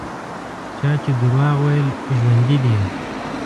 چا چې دروغ ویل ژوندي دي.